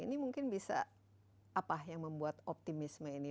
ini mungkin bisa apa yang membuat optimisme ini